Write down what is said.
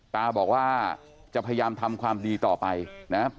ตาบอกว่าจะพยายามทำความดีต่อไปนะ